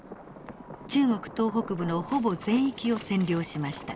中国東北部のほぼ全域を占領しました。